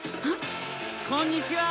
こんにちは！